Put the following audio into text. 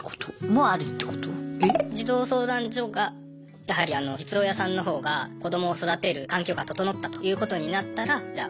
児童相談所がやはりあの実親さんのほうが子どもを育てる環境が整ったということになったらじゃあ